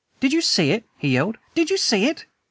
"Did you see it?" he yelled. "Did you see it?"